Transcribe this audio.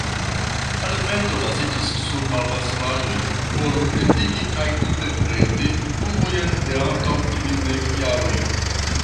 La defendo baziĝis sur malfacilaĵoj por identigi kaj interpreti pruvojn de antaŭ kvindek jaroj.